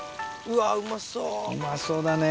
うまそうだね。